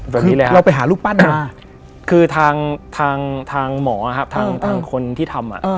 แบบนี้แหละครับคือทางทางหมอครับทางคนที่ทำ